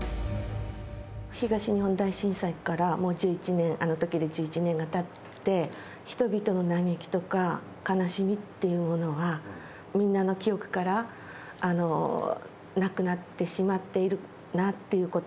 東日本大震災からもう１１年あの時で１１年がたって人々の嘆きとか悲しみっていうものがみんなの記憶からなくなってしまっているなぁっていうこと。